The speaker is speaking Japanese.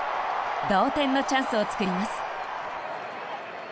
同点のチャンスを作ります。